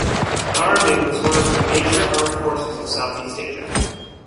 The army was one of the major armed forces of Southeast Asia.